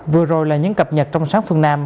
vừa rồi là những cập nhật trong sáng phương nam